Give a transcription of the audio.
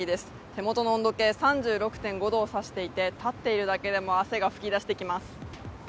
手元の温度計３６．５度を指していて、立っているだけでも汗が噴き出してきます。